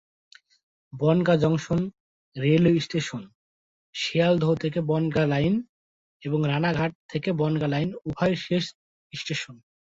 Bongaon junction railway station Sealdah Bangaon line এবং Ranaghat Bangaon line উভয়ের শেষ স্টেশন।